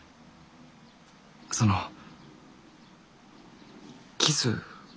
そのキス？